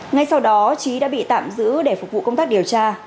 ngay sau đó trí đã bị tạm giữ để phục vụ công tác điều tra